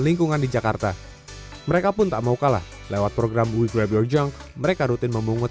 lingkungan di jakarta mereka pun tak mau kalah lewat program wiwi jom mereka kulutan membungkuk